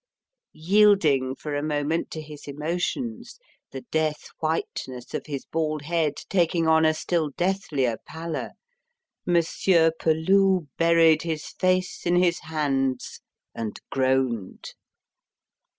Yielding for a moment to his emotions, the death whiteness of his bald head taking on a still deathlier pallor, Monsieur Peloux buried his face in his hands and groaned.